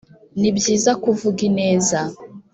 ni byiza kuvuga ineza